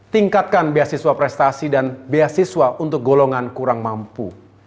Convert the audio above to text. tingkatkan biasiswa prestasi dan biasiswa untuk golongan kurang mampu